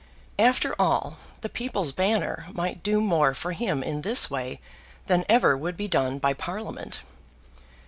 After all, the People's Banner might do more for him in this way than ever would be done by Parliament.